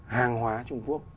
hàng hóa trung quốc